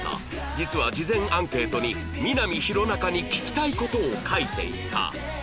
実は事前アンケートにみな実弘中に聞きたい事を書いていた